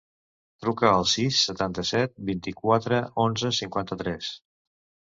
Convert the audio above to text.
Truca al sis, setanta-set, vint-i-quatre, onze, cinquanta-tres.